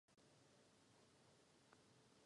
Denní doba může ovlivnit útok jednotek.